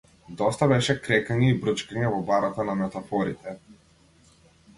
Доста беше крекање и брчкање во барата на метафорите.